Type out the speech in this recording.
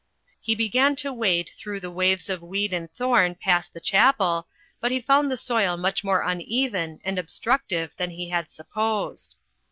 He began to wade through the waves of weed and thorn past the Chapel, but he found the soil much more uneven and obstructive than he had supposed.